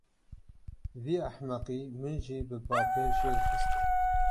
Vî ehmeqî min jî bi bapêşê xist.